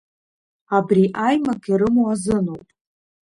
Абри аимак ирымоу азыноуп…